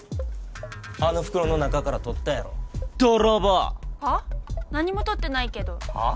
あの袋の中からとったやろ泥棒はっ何もとってないけどはっ？